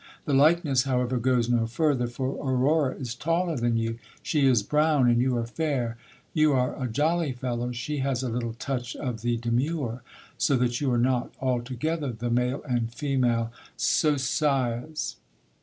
The likeness, however, goes no further, for Aurora is taller than you, she is brewn and you are fair, you are a jolly fellow, she has a little touch of the de mu :e ; so that you are not altogether the male and female Sosias.